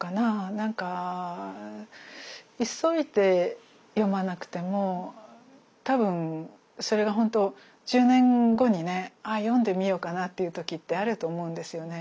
なんか急いで読まなくても多分それがほんと１０年後にね読んでみようかなっていう時ってあると思うんですよね。